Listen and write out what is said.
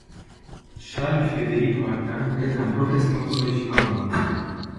Charles Frédéric Martins est un protestant d'origine allemande.